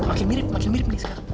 akhirnya mirip mirip sekarang